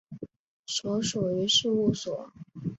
所属于事务所。